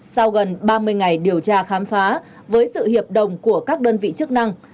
sau gần ba mươi ngày điều tra khám phá với sự hiệp đồng của các đơn vị chức năng